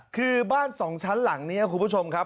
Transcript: คือบ้านสองชั้นหลังนี้คุณผู้ชมครับ